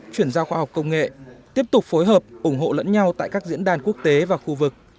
chuyển giao khoa học công nghệ tiếp tục phối hợp ủng hộ lẫn nhau tại các diễn đàn quốc tế và khu vực